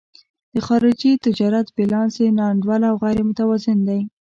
د خارجي تجارت بیلانس یې نا انډوله او غیر متوازن دی.